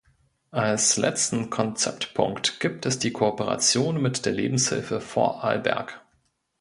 Als letzten Konzeptpunkt gibt es die Kooperation mit der Lebenshilfe Vorarlberg.